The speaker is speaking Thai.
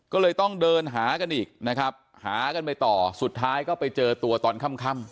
ก็เลยต้องเดินหากันอีกนะครับหากันไปต่อสุดท้ายก็ไปเจอตัวตอนค่ำ